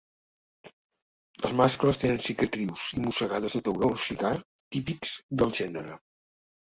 Els mascles tenen cicatrius i mossegades de tauró cigar típics del gènere.